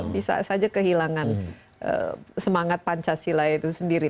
bisa saja kehilangan semangat pancasila itu sendiri